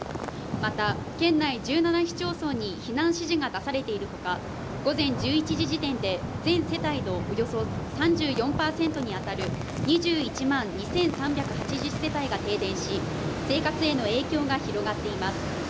また県内１７市町村に避難指示が出されているほか午前１１時時点で全世帯のおよそ３４％にあたる２１万２３８０世帯が停電し生活への影響が広がっています